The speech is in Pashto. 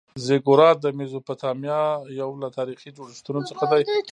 زیګورات د میزوپتامیا یو له تاریخي جوړښتونو څخه دی.